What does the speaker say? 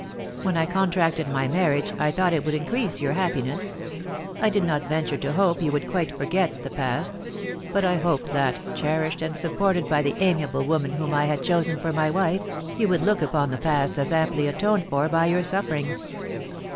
When I contracted my marriage, I thought it would increase your happiness. I did not venture to hope you would quite forget the past; but I hoped that, cherished and supported by the amiable woman whom I had chosen for my wife, you would look upon the past as amply atoned for by your sufferings.